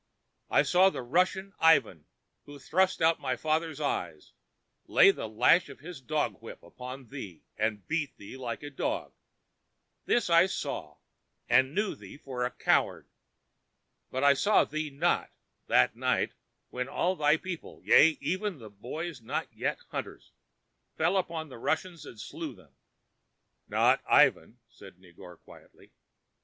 I saw the Russian, Ivan, who thrust out my father's eyes, lay the lash of his dog whip upon thee and beat thee like a dog. This I saw, and knew thee for a coward. But I saw thee not, that night, when all thy people—yea, even the boys not yet hunters—fell upon the Russians and slew them all." "Not Ivan," said Negore, quietly.